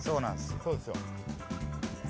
そうですよ。